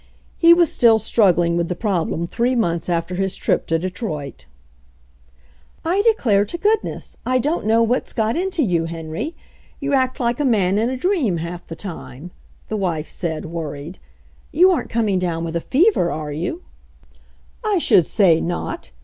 He was still struggling with the problem three months after his trip to Detroit "I declare to goodness, I don't know what's got into you, Henry. You act like a man in a "WHY NOT USE GASOLINE ?" 59 dream half the time/' the wife said, worried. "You aren't coming down with a fever, are you?" "I should say not